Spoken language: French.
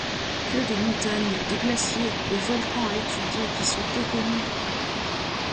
Que de montagnes, de glaciers, de volcans à étudier, qui sont peu connus !